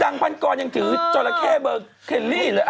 พันกรยังถือจราเข้เบอร์เคลลี่เลย